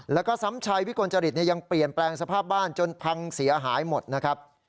แล้วก็ซ้ำชัยวิกลจริตยังเปลี่ยนแปลงสภาพบ้านจนพังเสียหายหมดนะครับ